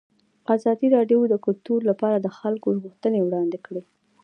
ازادي راډیو د کلتور لپاره د خلکو غوښتنې وړاندې کړي.